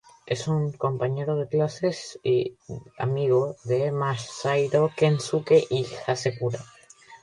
Es un compañero de clases y amigo de Masahiro, Kensuke y Hasekura.